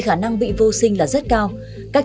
khả năng bị vô sinh là rất cao các